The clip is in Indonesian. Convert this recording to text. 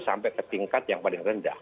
sampai ke tingkat yang paling rendah